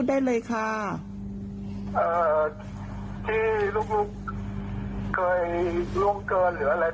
เดี๋ยวเราจะโทรไปแจ้งอีกทีนึงนะคะ